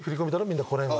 みんなここら辺は。